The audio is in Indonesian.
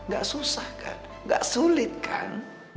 gak susah kan gak sulit kan